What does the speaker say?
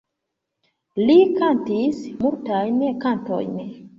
Li kantis multajn kantojn.